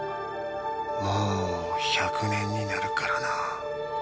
もう１００年になるからな。